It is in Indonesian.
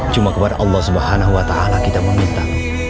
cuma kepada allah swt kita meminta